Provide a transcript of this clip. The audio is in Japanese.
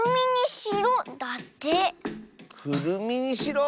「くるみにしろ」？